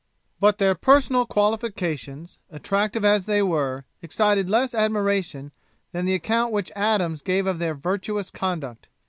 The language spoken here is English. But their personal qualifications, attractive as they were, excited less admiration than the account which Adams gave of their virtuous conduct.